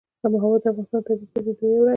هوا د افغانستان د طبیعي پدیدو یو رنګ دی.